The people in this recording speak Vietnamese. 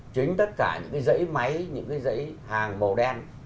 chính tất cả những cái giấy máy những cái giấy hàng màu đen